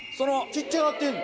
ちっちゃなってんの？